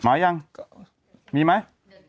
มาหรือยังมีไหม